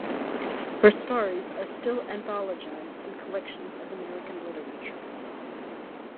Her stories are still anthologized in collections of American literature.